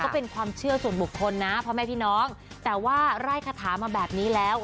เป็นความเชื่อส่วนบุคคลนะพ่อแม่พี่น้องแต่ว่าไล่คาถามาแบบนี้แล้ว